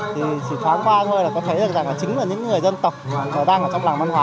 thì chỉ thoáng qua thôi là có thể được rằng là chính là những người dân tộc đang ở trong làng văn hóa